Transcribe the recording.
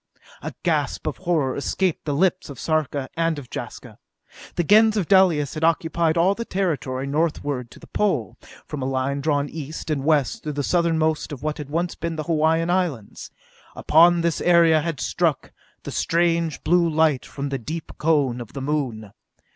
A gasp of horror escaped the lips of Sarka and of Jaska. The Gens of Dalis had occupied all the territory northward to the Pole, from a line drawn east and west through the southernmost of what had once been the Hawaiian Islands. Upon this area had struck the strange blue light from the deep Cone of the Moon.